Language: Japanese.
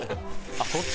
あっこっち